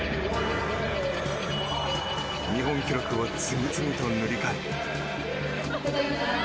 日本記録を次々と塗り替え。